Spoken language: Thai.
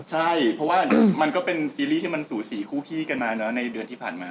ใช่มันก็เป็นซีรีส์ที่สูสีคู่คี่กันมาในเดือนที่ผ่านมา